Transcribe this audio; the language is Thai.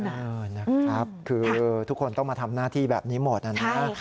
เออนะครับคือทุกคนต้องมาทำหน้าที่แบบนี้หมดนะครับ